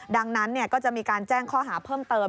ดังนั้นก็จะมีการแจ้งข้อหาเพิ่มเติม